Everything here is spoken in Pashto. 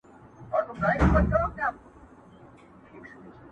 دایمی به یې وي برخه له ژوندونه!٫.